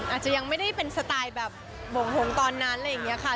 อาจจะยังไม่ได้เป็นสไตล์แบบโบ่งหงตอนนั้นอะไรอย่างนี้ค่ะ